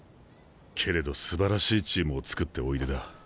けれどすばらしいチームを作っておいでだ。